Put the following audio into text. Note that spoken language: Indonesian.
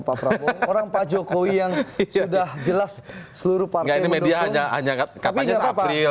pak prabowo orang pak jokowi yang sudah jelas seluruh partai ini media hanya katanya april